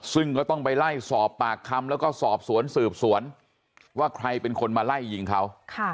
ซึ่งก็ต้องไปไล่สอบปากคำแล้วก็สอบสวนสืบสวนว่าใครเป็นคนมาไล่ยิงเขา